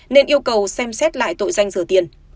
nên yêu cầu xem xét lại tội danh rửa tiền